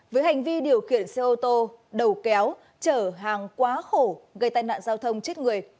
với hành vi điều khiển xe ô tô đầu kéo chở hàng quá khổ gây tai nạn giao thông chết người